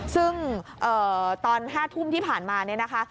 ซึ่งตอน๕ทุ่มที่ผ่านมาเนี่ยนะคะ